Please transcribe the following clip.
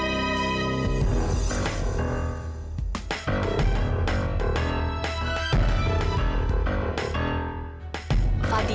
yang menuju negeri